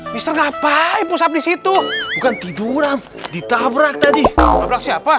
mister salah salah mereka tuh rio bemo tapi sampai